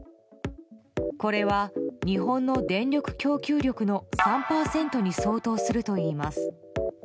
これは、日本の電力供給力の３％に相当するといいます。